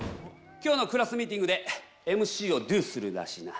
今日のクラスミーティングでＭＣをＤＯするらしいな。